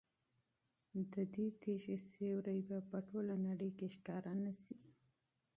د دې تیږې سیوری به په ټوله نړۍ کې ښکاره نه شي.